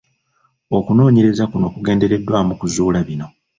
Okunoonyereza kuno kugendereddwamu okuzuula bino: